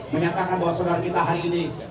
menyatakan bahwa saudara kita hari ini